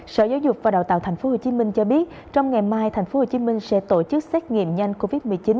sở giáo dục và đào tạo tp hcm cho biết trong ngày mai tp hcm sẽ tổ chức xét nghiệm nhanh covid một mươi chín